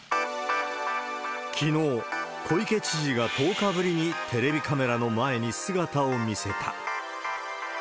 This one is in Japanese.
きのう、小池知事が１０日ぶりにテレビカメラの前に姿を見せた。